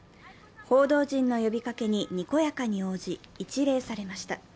報道陣の呼びかけに、にこやかに応じ、一礼されました。